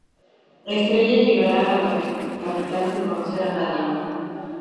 Estrella llegará a la capital sin conocer a nadie.